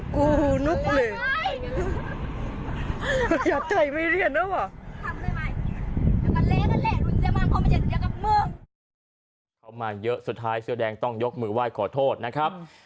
เขามาเยอะสุดท้ายเสื้อแดงต้องยกมือไหว้ขอโทษนะครับ